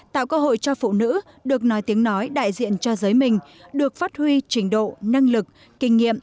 tạo cơ hội cho phụ nữ được nói tiếng nói đại diện cho giới mình được phát huy trình độ năng lực kinh nghiệm